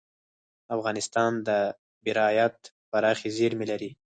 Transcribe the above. افغانستان د بیرایت پراخې زیرمې لري.